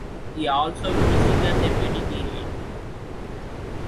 He also visited the Mediterranean.